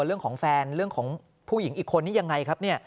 เรื่องของแฟนเรื่องของผู้หญิงอีกคนนี้ยังไงครับเนี่ย